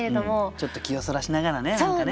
ちょっと気をそらしながらね何かね。